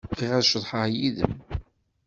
Bɣiɣ ad ceḍḥeɣ yid-m.